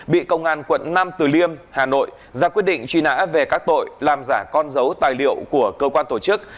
bị công an quận nam từ liêm hà nội ra quyết định truy nã về các tội làm giả con dấu tài liệu của cơ quan tổ chức